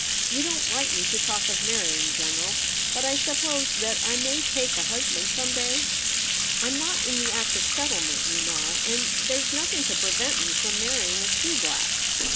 You don't like me to talk of marry ing, General ; but I suppose that 1 7;iay take a husband some day ? I'm not in the Act of Settlement, you know ; and there's nothing to prevent me from marrying a shoeblack.'